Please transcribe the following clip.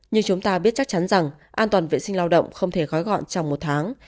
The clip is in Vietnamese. như chúng ta biết chắc chắn rằng an toàn vệ sinh lao động không thể gói gọn trong một tháng